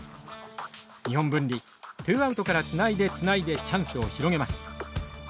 日本文理ツーアウトからつないでつないでチャンスを広げます。